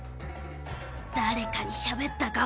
誰かにしゃべったか？